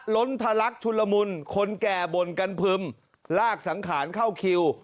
ล้นทะลักชุนละมุนคนแก่บ่นกันพึมลากสังขารเข้าคิว